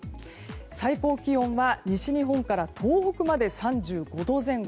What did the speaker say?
最高気温は西日本から東北まで３５度前後。